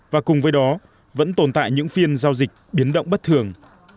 và cùng với đó vẫn tồn tại những phiên giao dịch biến động bất thường